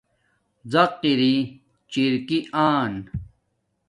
زق اری چِرکی آنن